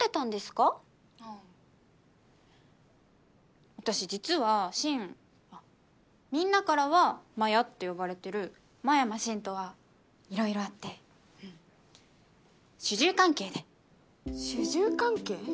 ああ私実は深あっみんなからはマヤって呼ばれてる真山深とはいろいろあって主従関係で主従関係？